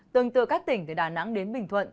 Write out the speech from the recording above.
tương tự các tỉnh từ đà nẵng đến bình thuận